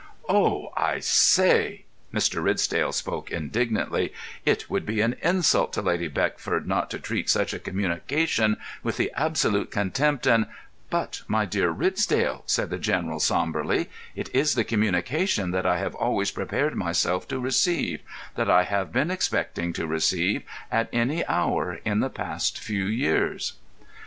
"Oh, I say"—Mr. Ridsdale spoke indignantly—"it would be an insult to Lady Beckford not to treat such a communication with the absolute contempt and——" "But, my dear Ridsdale," said the General, sombrely, "it is the communication that I have always prepared myself to receive, that I have been expecting to receive at any hour in the last few years."